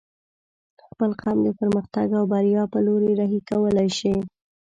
خپل قوم د پرمختګ او بريا په لوري رهي کولی شې